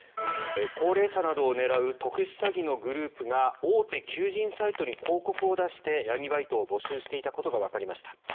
高齢者などを狙う特殊詐欺のグループが大手求人サイトに広告を出して闇バイトを募集していたことがわかりました。